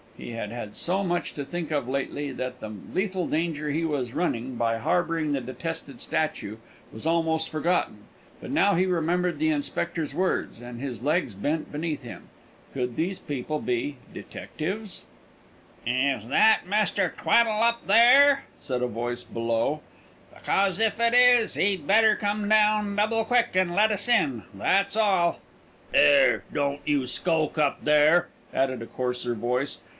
He had had so much to think of lately, that the legal danger he was running, by harbouring the detested statue, was almost forgotten; but now he remembered the Inspector's words, and his legs bent beneath him. Could these people be detectives? "Is that Mr. Tweddle up there?" said a voice below "because if it is, he'd better come down, double quick, and let us in, that's all!" "'Ere, don't you skulk up there!" added a coarser voice.